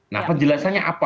nah penjelasannya ada